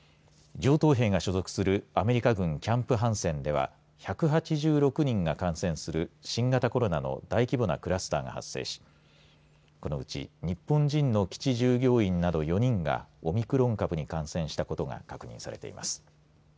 上等兵が所属するアメリカ軍キャンプハンセンでは１８６人が感染する新型コロナの大規模なクラスターが発生しこのうち日本人の基地従業員など４人がオミクロン株に感染したことが確認されています。